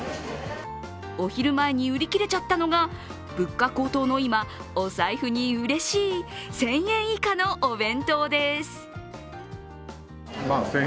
お昼前に売り切れちゃったのが物価高騰の今、お財布にうれしい１０００円以下のお弁当です。